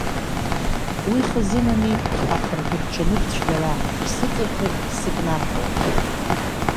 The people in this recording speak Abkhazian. Уи хазынами, аха ргәы рҽануп цәгьала, исыҵырхыр сыкнарҳауеит.